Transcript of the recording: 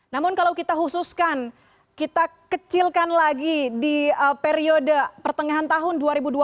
namun kalau kita khususkan kita kecilkan lagi di periode pertengahan tahun dua ribu dua puluh